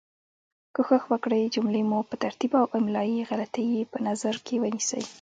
کوښښ وکړئ جملې مو په ترتیب او املایي غلطې یي په نظر کې ونیسۍ